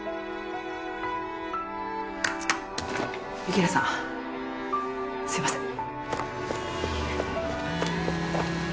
雪平さんすいません。